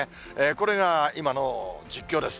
これが今の実況です。